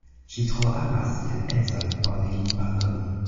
Ŝi tro amas sian edzon por ne lin pardoni.